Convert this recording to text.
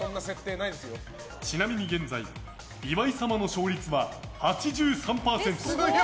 ちなみに、現在岩井様の勝率は８３％。